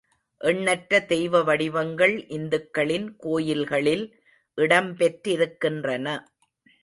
எண்ணற்ற தெய்வ வடிவங்கள் இந்துக்களின் கோயில்களில் இடம்பெற்றிருக்கின்றன.